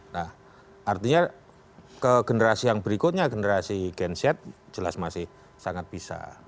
nah artinya ke generasi yang berikutnya generasi gen z jelas masih sangat bisa